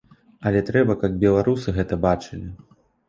Але трэба, каб беларусы гэта бачылі.